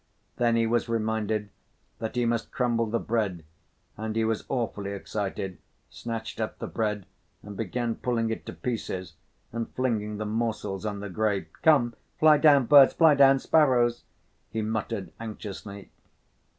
Then he was reminded that he must crumble the bread and he was awfully excited, snatched up the bread and began pulling it to pieces and flinging the morsels on the grave. "Come, fly down, birds, fly down, sparrows!" he muttered anxiously.